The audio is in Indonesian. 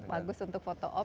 bagus untuk foto op